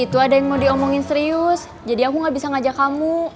itu ada yang mau diomongin serius jadi aku gak bisa ngajak kamu